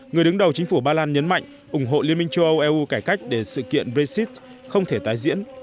người đứng đầu chính phủ ba lan nhấn mạnh ủng hộ liên minh châu âu eu cải cách để sự kiện brexit không thể tái diễn